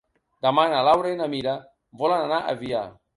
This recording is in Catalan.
Demà na Laura i na Mira volen anar a Avià.